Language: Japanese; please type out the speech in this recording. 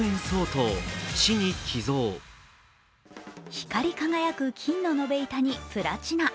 光り輝く金の延べ板にプラチナ。